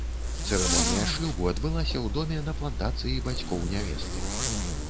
Цырымонія шлюбу адбылася ў доме на плантацыі бацькоў нявесты.